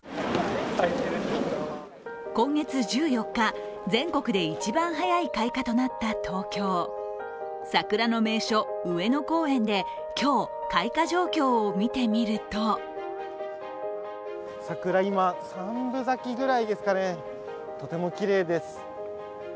今月１４日全国で一番早い開花となった東京桜の名所・上野公園で今日、開花状況を見てみると桜、今三分咲きくらいですかね、とてもきれいです。